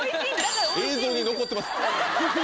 映像に残ってます